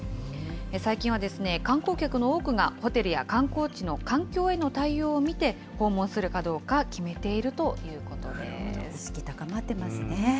最近は、観光客の多くがホテルや観光地の環境への対応を見て、訪問するかどうか決めているという意識高まってますね。